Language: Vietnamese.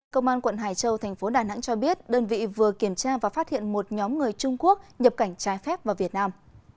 công an quận hải châu thành phố đà nẵng cho biết đơn vị vừa kiểm tra và phát hiện một nhóm người trung quốc nhập cảnh trái phép vào việt nam